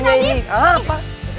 kembali lagi ke saya nadif